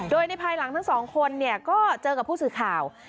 โดยในภายหลังทั้งสองคนก็เจอกับผู้สื่อข่าว